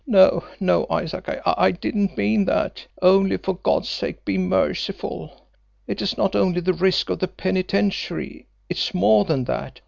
"No, no, Isaac, I didn't mean that. Only, for God's sake be merciful! It is not only the risk of the penitentiary; it's more than that.